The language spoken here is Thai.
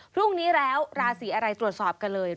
พรุ่งนี้แล้วราศีอะไรตรวจสอบกันเลย